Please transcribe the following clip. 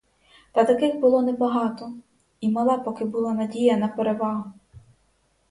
Та таких було небагато, і мала поки була надія на перевагу.